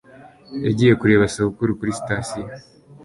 yagiye kureba sekuru kuri sitasiyo